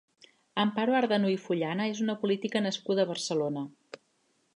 Amparo Ardanuy Fullana és una política nascuda a Barcelona.